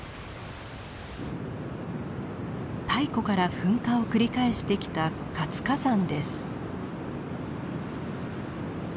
太古から噴火を繰り返してきた活火山です。